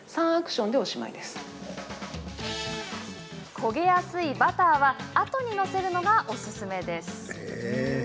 焦げやすいバターはあとに載せるのがおすすめ。